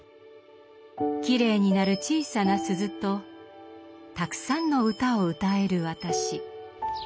きれいに鳴る小さな鈴とたくさんの唄を歌える私。